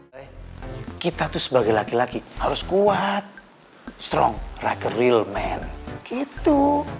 hai kita tuh sebagai laki laki harus kuat strong like a real man gitu